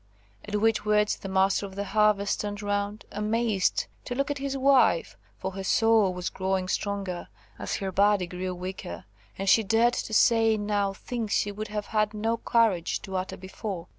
At which words the Master of the Harvest turned round, amazed, to look at his wife, for her soul was growing stronger, as her body grew weaker, and she dared to say now things she would have had no courage to utter before.